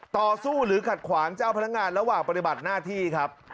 ต่อสู้หรือขัดขวางเจ้าพนักงานระหว่างปฏิบัติหน้าที่ครับ